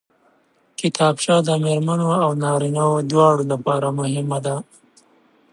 کتابچه د مېرمنو او نارینوو دواړو لپاره مهمه ده